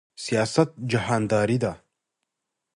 سیاست جهانداری ده